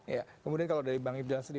ya kemudian kalau dari bang ibn jalansid